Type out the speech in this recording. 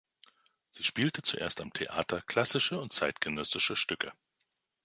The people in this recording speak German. Sie spielte zuerst am Theater klassische und zeitgenössische Stücke.